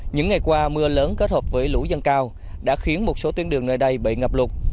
những ngày qua mưa lớn kết hợp với lũ dân cao đã khiến một số tuyến đường nơi đây bị ngập lụt